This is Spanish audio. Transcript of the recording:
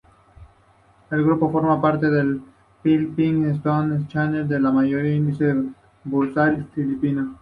El grupo forma parte del "Philippine Stock Exchange", el mayor índice bursátil filipino.